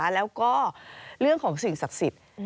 และสิ่งศักดิ์สูจน์